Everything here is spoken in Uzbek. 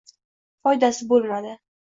Foydasi bo‘lmadi